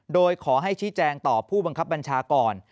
โดยขอให้ชี้แจงต่อผู้บังคับบัญชาก่อน